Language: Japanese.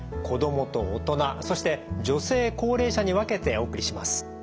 子どもと大人そして女性高齢者に分けてお送りします。